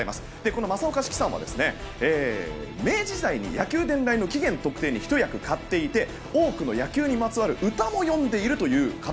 この正岡子規さんは明治時代に野球伝来の起源特定にひと役買っていて多くの野球にまつわる詩も詠むんでいるという方。